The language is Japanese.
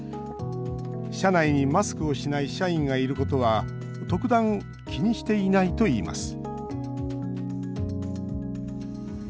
社内にマスクをしない社員がいることは特段気にしていないといいます